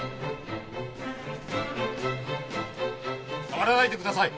触らないでください！